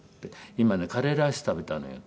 「今ねカレーライス食べたのよ」。